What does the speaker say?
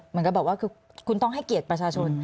เหมือนกับบอกว่าคือคุณต้องให้เกียรติประชาชน